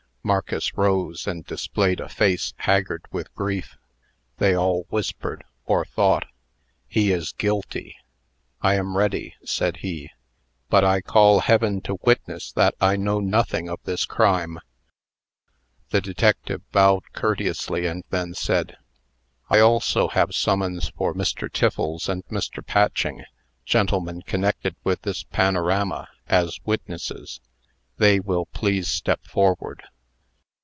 Marcus rose, and displayed a face haggard with grief. They all whispered, or thought, "He is guilty." "I am ready," said he; "but I call heaven to witness that I know nothing of this crime." The detective bowed courteously, and then said: "I also have summons for Mr. Tiffles and Mr. Patching, gentlemen connected with this panorama, as witnesses. They will please step forward."